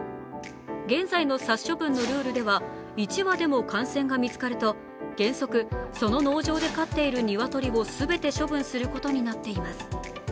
現在の殺処分のルールでは１羽でも感染がみつかると原則、その農場で飼っている鶏を全て処分することになっています。